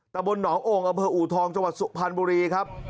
ตะบนหนองโอ่งอำเภออูทองจังหวัดสุพรรณบุรีครับ